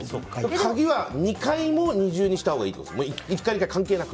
鍵は２階も二重にしたほうがいいってことですか？